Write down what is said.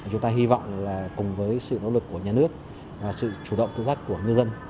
chúng ta hy vọng là cùng với sự nỗ lực của nhà nước và sự chủ động tư giác của ngư dân